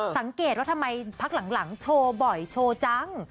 สังเกตว่าทำไมพักหลังโชว์บ่อยโชว์จัง